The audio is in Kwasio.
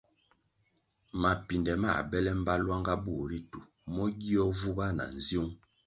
Mapinde mā bele mbpa lwanga bur ritu mo gio vubah na nziung.